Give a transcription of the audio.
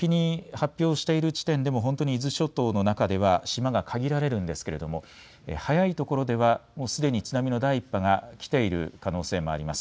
この具体的に発表している地点でも本当に伊豆諸島の中では島が限られるんですけれども早いところではもうすでに津波の第１波が来ている可能性もあります。